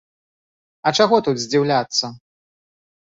А чаго тут здзіўляцца.